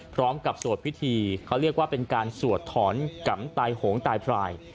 สวดพิธีเขาเรียกว่าเป็นการสวดถอนกำตายโหงตายพราย